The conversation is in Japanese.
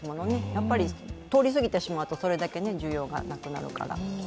やっぱり通りすぎてしまうと、それだけ需要がなくなるから。